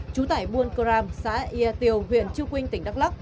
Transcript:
chú tải buôn cram xã y tiều huyện chiêu quynh tỉnh đắk lóc